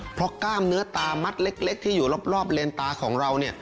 เพราะกล้ามเนื้อตามัดเล็กที่อยู่รอบเลนตาของเราเนี่ย